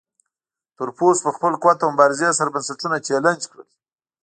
تورپوستو په خپل قوت او مبارزې سره بنسټونه چلنج کړل.